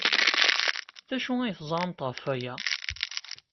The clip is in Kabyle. D acu ay teẓramt ɣef waya?